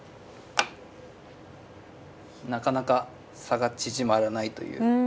なかなか差が縮まらないという感じですかね。